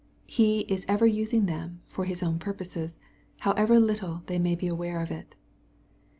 He is ever using them for His own purposes, however little they may be aware of it.